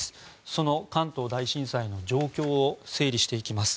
その関東大震災の状況を整理していきます。